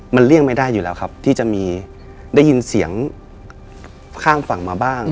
มันเลี่ยงไม่ได้อยู่แล้วครับที่จะมีได้ยินเสียงข้างฝั่งมาบ้าง